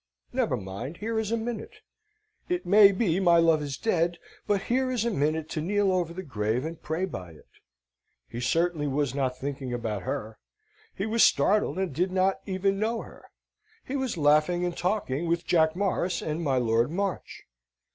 Never mind. Here is a minute. It may be my love is dead, but here is a minute to kneel over the grave and pray by it. He certainly was not thinking about her: he was startled and did not even know her. He was laughing and talking with Jack Morris and my Lord March.